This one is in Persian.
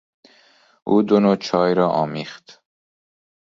او دو نوع چای را آمیخت.